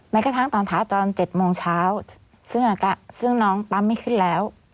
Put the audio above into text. กระทั่งตอนเช้าตอน๗โมงเช้าซึ่งน้องปั๊มไม่ขึ้นแล้ว